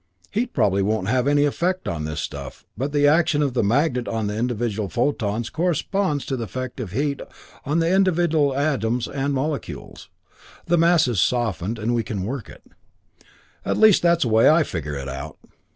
"Heat probably won't have any effect on this stuff, but the action of the magnet on the individual photons corresponds to the effect of the heat on the individual atoms and molecules. The mass is softened, and we can work it. At least, that's the way I figure it out.